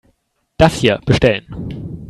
Das hier bestellen.